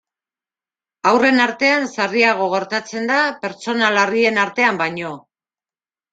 Haurren artean sarriago gertatzen da pertsona larrien artean baino.